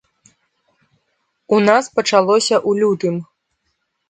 У нас пачалося ў лютым.